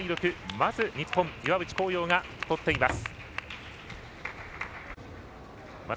まず日本、岩渕幸洋がとっています。